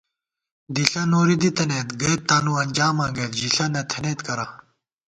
دِݪہ نوری دِتَنَئیت، گئیت تانُو انجاماں گَئیت، ژِݪہ نہ تھنَئیت کرہ